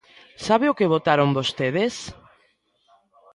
¿Sabe o que votaron vostedes?